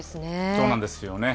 そうなんですよね。